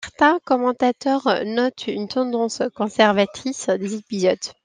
Certains commentateurs notent une tendance conservatrice des épisodes.